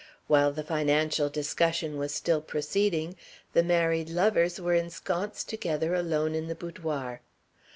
While the financial discussion was still proceeding, the married lovers were ensconced together alone in the boudoir.